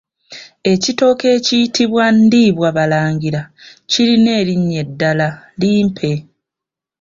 Ekitooke ekiyitibwa “Ndiibw'abalangira” kirina erinnya eddala. Limpe.